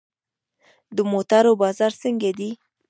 د موټرو بازار څنګه دی؟